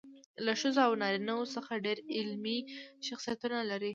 له ښځو او نارینه وو څخه ډېر علمي شخصیتونه لري.